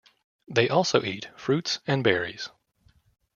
They also eat fruits and berries.